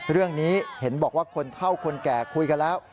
เรื่องนี้เห็นบอกว่าคนเท่าคนแก่คุยกันแล้ว